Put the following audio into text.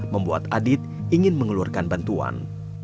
membuat adit ingin mengeluarkan bantuan